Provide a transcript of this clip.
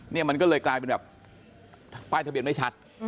เนี่ยมันก็เลยกลายเป็นแบบป้ายทะเบียนไม่ชัด